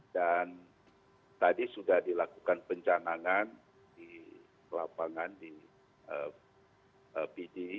dan tadi sudah dilakukan pencanangan di lapangan di pdi